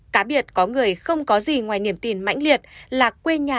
cá biệt có người không có gì ngoài niềm tin mãnh liệt là quê nhà